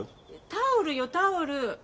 タオルよタオル。